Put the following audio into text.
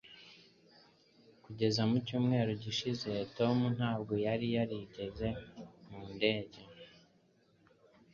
Kugeza mu cyumweru gishize, Tom ntabwo yari yarigeze mu ndege